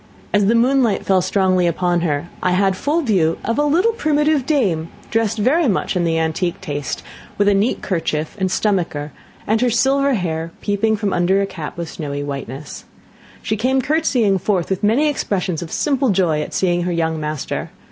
As the moonlight fell strongly upon her, I had full view of a little primitive dame, dressed very much in the antique taste, with a neat kerchief and stomacher, and her silver hair peeping from under a cap of snowy whiteness. She came curtseying forth, with many expressions of simple joy at seeing her young master.